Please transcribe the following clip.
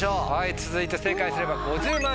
続いて正解すれば５０万円です。